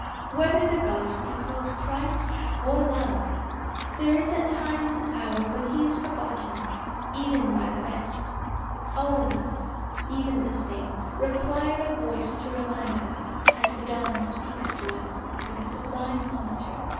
Whether the god be called Christ or Love, there is at times an hour when he is forgotten, even by the best. All of us, even the saints, require a voice to remind us; and the dawn speaks to us, like a sublime monitor.